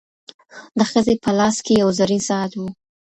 د ښځي په لاس کي یو زرین ساعت و.